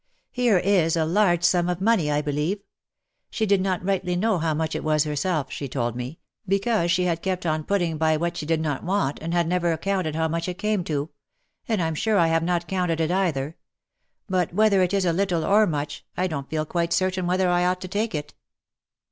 " Here is a large sum of money, I believe. She did not rightly know how much it was herself, she told me, because she had kept on putting by what she did not want, and had never counted how much it came to — and I'm sure I have not counted it either ; but whether it is little or much, I don't feel quite certain whether I ought to take it."